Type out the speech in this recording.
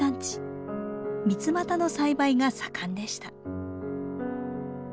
ミツマタの栽培が盛んでした。